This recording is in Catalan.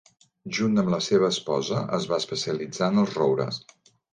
Junt amb la seva esposa es va especialitzar en els roures.